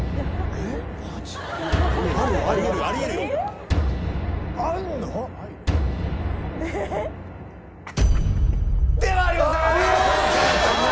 ええっ？ではありません！